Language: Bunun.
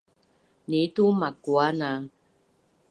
Nitu makua na